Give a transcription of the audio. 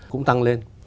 cũng tăng lên